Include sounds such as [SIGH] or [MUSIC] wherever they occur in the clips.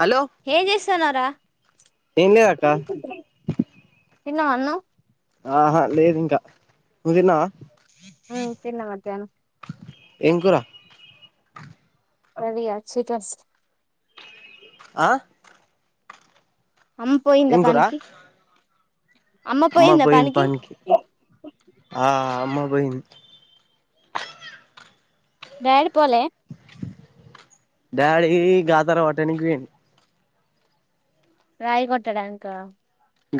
Hello ఏం చేస్తన్నారా? ఏం లేదక్క తిన్నావ అన్నం? ఆహా లేదు ఇంకా, నువ్ తన్నవా? ఉమ్ తిన్న మధ్యాహ్నం. ఏం కురా? అది అచ్చిటస్ ఆ అం పోయింద పనీకి అమ్మా పోయింది పనికి, ఆ అమ్మ బోయింది. డాడీ పోలే డాడీ గాతార పట్టనికి పోయిండు. రాయి కొట్టడానికా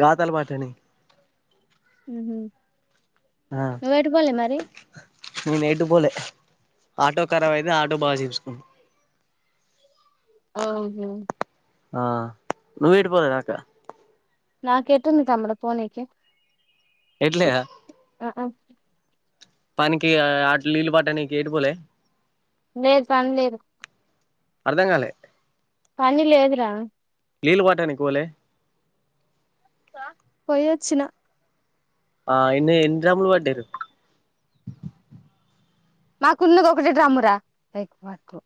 గాతలు పట్టనికి ఉహు నువ్వు ఎటు బోలే మరి? నే నేటు పోలే, ఆటో ఖరాబ్ అయింది, ఆటో బాగా చేపించుకున్నాం ఆహ ఆ నువ్వు ఎటు పోలేదక్కా? నాకెటుంది తమ్ముడు పోనీకి? ఎట్లేదా? ఆహా పనికి ఆ నీళ్లు పట్టనికి ఏటు పోలే లేదు పని లేదు. అర్ధం కాలే పనీ లేదు రా లీళ్ళు పట్టానికి పోలే? పోయొచ్చిన ఆ ఇన్నీ ఎన్ని డ్రమ్ములు పట్టిరు? మాకున్నది ఒకటె డ్రమ్ము రా [UNINTELLIGIBLE]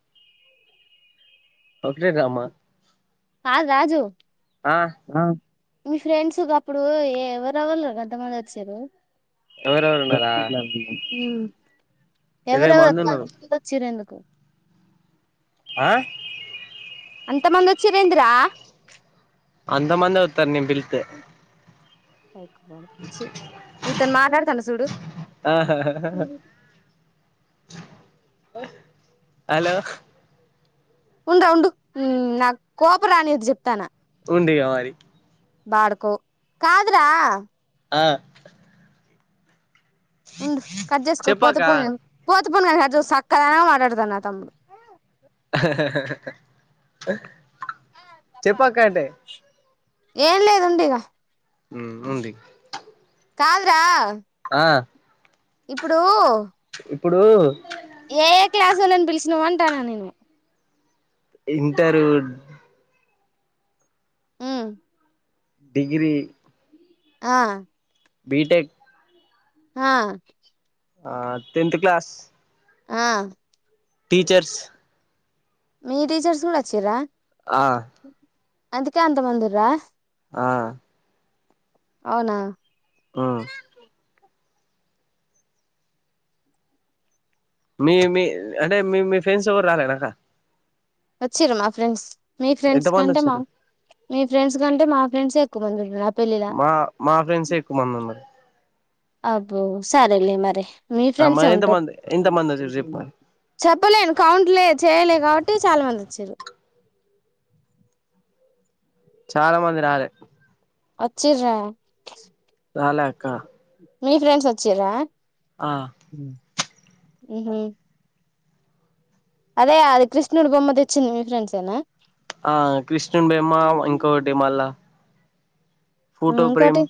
ఒకటె డ్రమ్మా కాదు రాజు ఆ మీ ఫ్రెండ్స్ ఒకప్పుడు ఎవరు ఎవలురా గంతమంది అచ్చిర్రు? ఎవరెవరు ఉన్నారా ఉమ్ ఇరవై ఎవరెవరు మంది ఉన్నారు వచ్చిరు ఎందుకు ఆ అంతమంది వచ్చిరేంద్ర? అంతమందే వత్తరు నేను పిలిత్తే చి నితోనీ మాట్లాడతాన్న సూడు. ఆహా హలో ఉండురా ఉండు ఊ నాకు కోపం రానీయదు చెప్తానా ఉండు ఇగ మరి బాడుకో కాదురా ఆ ఉండు కట్ చేసుకో పోతే చెప్పక్క పోనీ గానీ పోత్ [UNINTELLIGIBLE] చక్కగానే మాట్టాడతాడు నా తమ్ముడు చెప్పక్క అంటే ఏం లేదు ఉండు ఇగ హ్మ్ ఉంది కాదురా ఆ ఇప్పుడు ఇప్పుడు ఏ ఏ క్లాసు వాళ్ళని పిలిచినావ అంటాన్నా నేను ఇంటరు హ్మ్ డిగ్రీ ఆ బీటెక్ ఆ ఆ టెన్త్ క్లాస్ ఆ టీచర్స్ మీ టీచర్స్ కూడా వచ్చిర్ర ఆ అందుకే అంత మంది ఉర్ర ఆ అవునా ఉమ్ మీ మీ అంటే మీ మీ ఫ్రెండ్స్ ఎవరు రాలేనాక్క వచ్చిర్రు మా ఫ్రెండ్స్ మీ ఎంత ఫ్రెండ్స్ మంది కంటే మా వచ్చిర్రు మీ ఫ్రెండ్స్ కంటే మా ఫ్రెండ్సే ఎ క్కువ మంది ఉన్నారు పెళ్ళిల మా మా ఫ్రెండ్సే ఎక్కువ మంది ఉన్నారు అబ్బో సరేలే మరి మీ ఆ ఫ్రెండ్సే మరి ఉంటర్ ఎంతమంది ఎంతమంది వచ్చిర్రు చెప్పు మరి చెప్పలేను కౌంట్ లేదు చేయలే కాబట్టి చాలా మంది వచ్చిర్రు చాలా మంది రాలే వచ్చిర్రా రాలే అక్క మీ ఫ్రెండ్స్ వచ్చిర్రా ఆ ఉమ్ హు అదే అది కృష్ణుడు బొమ్మ తెచ్చింది మీ ఫ్రెండ్స్ యేన ఆ కృష్ణున్ బెమ్మ ఇంకోటి మళ్ళా ఫోటో ప్రేమ్ ఇంకోటి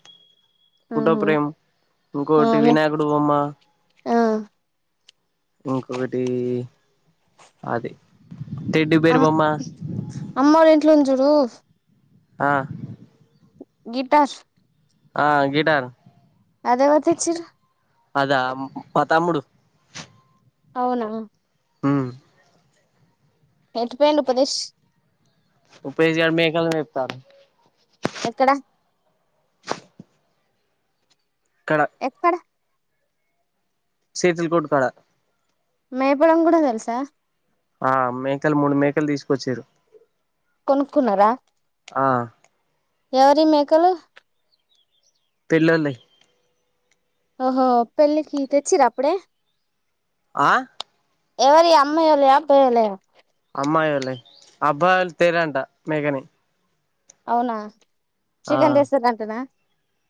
ఫోటో ఆహా ప్రేమ్ ఆ ఇంకోటి మీ వినాయకుడు బొమ్మ ఆ ఇంకొకటి అది టెడ్డి బేర్ అమ్ బొమ్మ అమ్మోల్ల ఇంట్లో ఉంది చూడు ఆ గిటార్స్ ఆ గిటార్ ఆది ఏవరు తెచ్చిర్రు అదా మ మా తమ్ముడు అవునా ఉమ్ ఎటు పోయిండు ఉపదిష్ ఉపదిష్ గాడు మేకలను మేపుతాండు ఎక్కడ ఇక్కడ ఎక్కడ సేతుల్ కోట్టు కాడ మేపడం కూడా తెలుసా ఆ మేకలు మూడు మేకలు తీసుకొచ్చిర్రు కొనుక్కున్నారా ఎవరివి మేకలు పెళ్ళోళ్ళవి ఓహో పెళ్ళికి తెచ్చిర్ర అప్పుడే ఆ ఎవరివి ఈ అమ్మాయ్య యేళ్ళవ అప్పయ్య యేళ్ళవ అమ్మయి వోళ్ళావే అబ్బాయి ఒళ్ళు తేరంట మేకని అవునా ఆ చికెన్ తెస్తారంటనా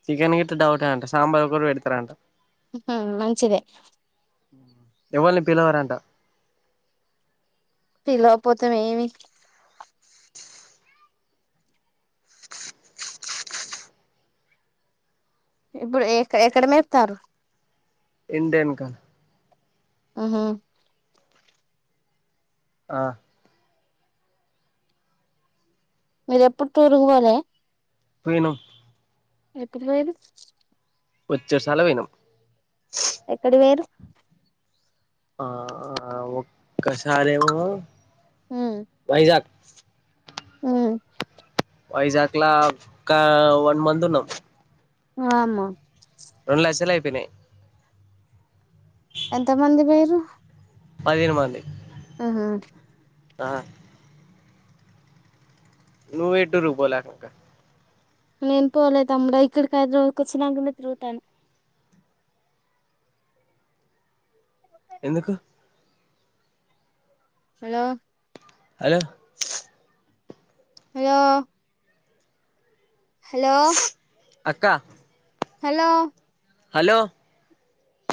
చికెన్ గిట్ల డౌటే అంట సాంబార్ ఒకటే పెడతారంట ఉహు మంచిదే ఎవల్ని పిలవరంట పిలవకపోతే ఏమి ఇప్పుడు ఎ ఎక్కడ మేపుతారు ఇంటి వెనకాల ఆహా ఆ మీరు ఎప్పుడు టూర్కి పోలే పోయినం ఎప్పుడు పోయిర్రు బొచ్చాడు సార్లు పోయినం ఎక్కడి పోయిర్రు ఆ ఒక్కసారేమో వైజాగ్ హ్మ్ వైజాక్లా ఒక వన్ మంత్ ఉన్నాం వామ్మో రెండు లక్షలు అయిపోయినాయి ఎంతమంది పోయిర్రు పదిహేను మంది ఆహా ఆ నువ్వు ఎ టూర్ కి పోలా అక్క నేను పోలే తమ్ముడ ఇక్కడికి హైదరాబాద్ వచ్చినాకనే తిరుగుతాన ఎందుకు హలో హలో హలో హలో అక్క హలో హలో